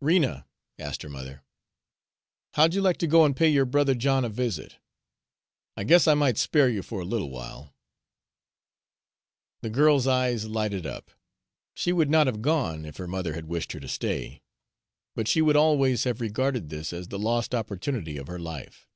"Rena," asked her mother, "how'd you like to go an' pay yo'r brother John a visit? I guess I might spare you for a little while." The girl's eyes lighted up. She would not have gone if her mother had wished her to stay, but she would always have regarded this as the lost opportunity of her life.